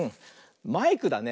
マイクだね。